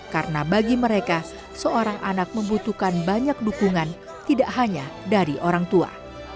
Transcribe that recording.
karena bagi mereka seorang anak membutuhkan banyak dukungan tidak hanya dari orang tua